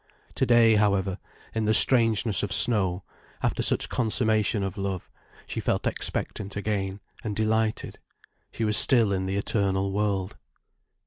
To day, however, in the strangeness of snow, after such consummation of love, she felt expectant again, and delighted. She was still in the eternal world.